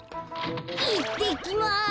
いってきます。